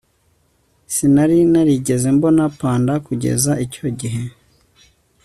Sinari narigeze mbona panda kugeza icyo gihe